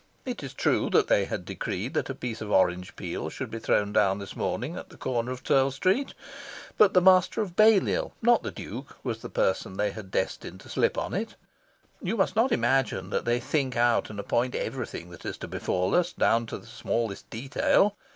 It is true they had decreed that a piece of orange peel should be thrown down this morning at the corner of Turl Street. But the Master of Balliol, not the Duke, was the person they had destined to slip on it. You must not imagine that they think out and appoint everything that is to befall us, down to the smallest detail.